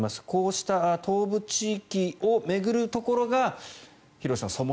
こうした東部地域を巡るところが廣瀬さん